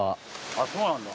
あっそうなんだ？